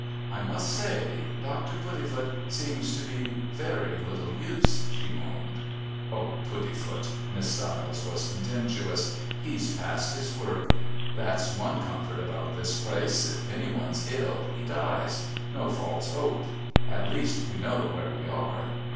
"I must say, Dr. Puddifoot seems to be very little use," she moaned. "Oh! Puddifoot!" Miss Stiles was contemptuous. "He's past his work. That's one comfort about this place. If any one's ill he dies. No false hopes. At least, we know where we are."